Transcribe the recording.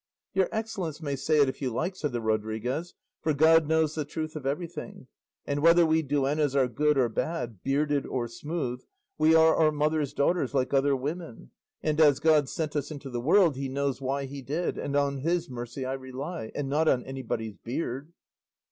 "Your excellence may say it if you like," said the Rodriguez; "for God knows the truth of everything; and whether we duennas are good or bad, bearded or smooth, we are our mothers' daughters like other women; and as God sent us into the world, he knows why he did, and on his mercy I rely, and not on anybody's beard."